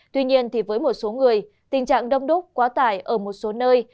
tuy nhiên với một số người tình trạng đông đúc quá tải ở một số nơi